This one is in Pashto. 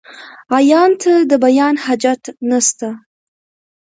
عيان ته ، د بيان حاجت نسته.